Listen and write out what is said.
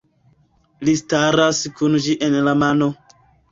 Li staras kun ĝi en la mano.